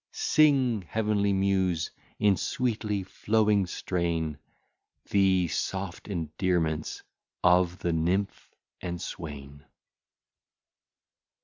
Sing, heavenly Muse, in sweetly flowing strain, The soft endearments of the nymph and swain.